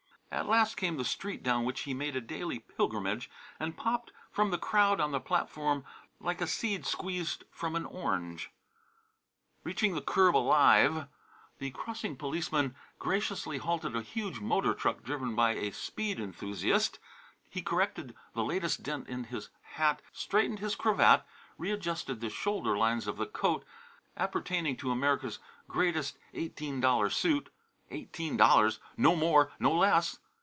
At last came the street down which he made a daily pilgrimage and he popped from the crowd on the platform like a seed squeezed from an orange. Reaching the curb alive the crossing policeman graciously halted a huge motor truck driven by a speed enthusiast he corrected the latest dent in his hat, straightened his cravat, readjusted the shoulder lines of the coat appertaining to America's greatest eighteen dollar suit "$18.00 No More; No Less!"